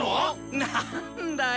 なんだよ！